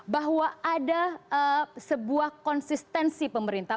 bahwa ada sebuah konsistensi pemerintah